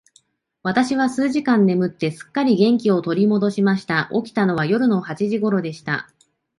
私は数時間眠って、すっかり元気を取り戻しました。起きたのは夜の八時頃でした。